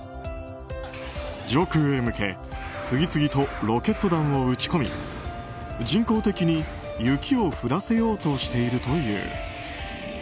上空に向け次々にロケット弾を撃ち込み人工的に雪を降らせようとしているのだという。